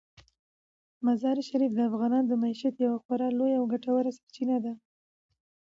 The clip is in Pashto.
مزارشریف د افغانانو د معیشت یوه خورا لویه او ګټوره سرچینه ده.